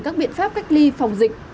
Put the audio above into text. các biện pháp cách ly phòng dịch